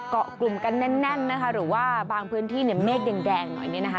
เกาะกลุ่มกันแน่นนะคะหรือว่าบางพื้นที่เนี่ยเมฆแดงหน่อยเนี่ยนะคะ